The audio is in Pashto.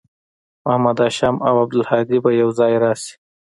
محمد هاشم او عبدالهادي به یوځای راشي